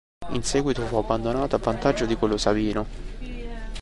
In seguito fu abbandonato a vantaggio di quello sabino.